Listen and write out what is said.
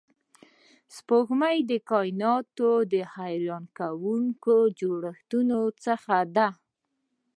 سپوږمۍ د کایناتو د حیرانونکو جوړښتونو څخه ده